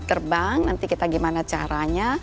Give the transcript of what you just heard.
terbang nanti kita gimana caranya